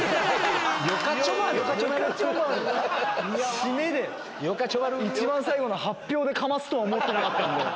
締めで⁉一番最後の発表でかますとは思ってなかったんで。